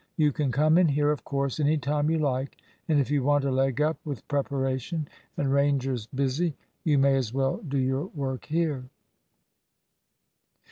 You can come in here, of course, any time you like, and if you want a leg up with preparation, and Ranger's busy, you may as well do your work here."